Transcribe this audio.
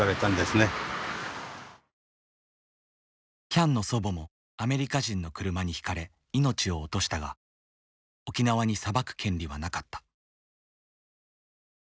喜屋武の祖母もアメリカ人の車にひかれ命を落としたが沖縄に裁く権利はなかった。